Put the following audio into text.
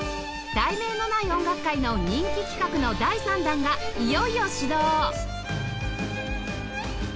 『題名のない音楽会』の人気企画の第３弾がいよいよ始動！